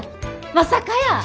まさかやー。